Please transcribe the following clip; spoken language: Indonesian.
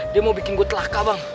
dia mau bikin gue telaka bang